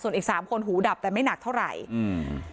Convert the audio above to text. อีกสามคนหูดับแต่ไม่หนักเท่าไหร่อืม